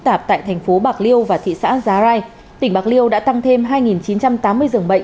tạp tại thành phố bạc liêu và thị xã giá rai tỉnh bạc liêu đã tăng thêm hai chín trăm tám mươi dường bệnh